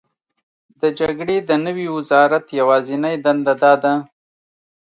د جګړې د نوي وزرات یوازینۍ دنده دا ده: